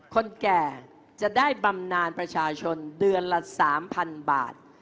คนแก่จะได้บำนานประชาชนเดือนละ๓๐๐๐บาท